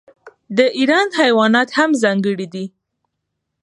د ایران حیوانات هم ځانګړي دي.